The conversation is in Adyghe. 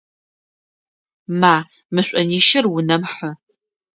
Ма, мы шӏонищыр унэм хьы!